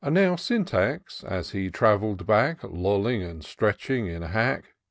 OW Syntax, as he traveird back, Lolling and stretching in a hack.